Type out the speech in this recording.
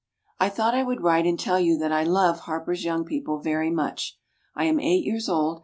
I thought I would write and tell you that I love Harper's Young People very much. I am eight years old.